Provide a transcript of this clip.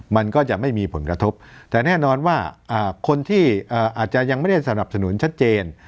มันก็จะไม่มีผลกระทบแต่แน่นอนว่าคนที่อาจจะยังไม่ได้สนับสนุนชัดเจน